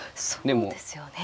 そうですよね。